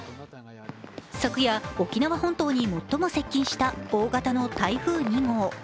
昨夜、沖縄本島に最も接近した大型の台風２号。